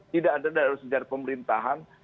tidak ada dalam sejarah pemerintahan